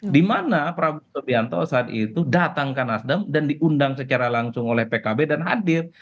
dimana prabowo subianto saat itu datang ke nasdem dan diundang secara langsung oleh pkb dan hadir